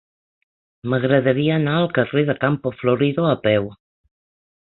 M'agradaria anar al carrer de Campo Florido a peu.